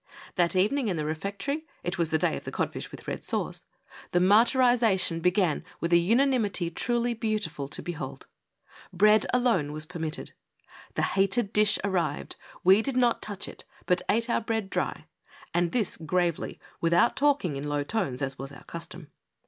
That evening, in the refectory — it was the day of the codfish with red sauce — the martyrization began with a unanimity truly beautiful to behold. Bread alone was permitted. The hated dish arrived ; we did not touch it, but ate our bread dry, and this gravely, without talk ing in low tones as was our custom.